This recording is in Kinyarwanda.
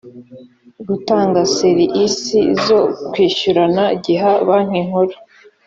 gutanga ser isi zo kwishyurana giha banki nkuru